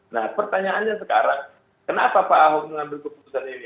nah pertanyaannya sekarang kenapa pak ahok mengambil keputusan ini